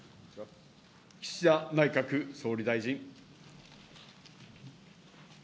岸田内閣総理大臣。